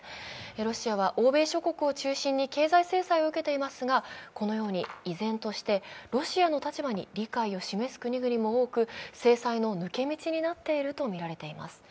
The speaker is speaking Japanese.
ロシアは欧米諸国を中心に経済制裁を受けていますがこのように依然としてロシアの立場に理解を示す国々も多く、制裁の抜け道になっているとみられています。